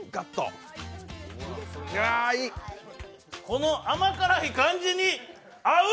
この甘辛い感じに合う！